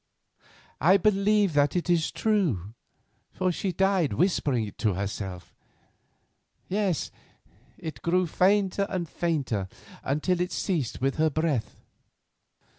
I believe that is true, for she died whispering it herself; yes, it grew fainter and fainter until it ceased with her breath.